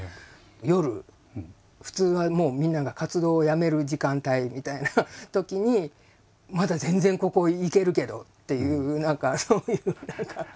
夜普通はもうみんなが活動をやめる時間帯みたいなときにまだ全然ここいけるけどっていう何かそういう何か。